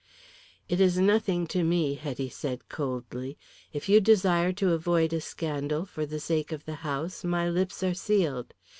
"It is nothing to me," Hetty said coldly. "If you desire to avoid a scandal for the sake of the house, my lips are sealed.